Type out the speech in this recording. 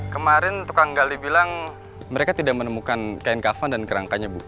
kemarin tukang gali bilang mereka tidak menemukan kain kafan dan kerangkanya bu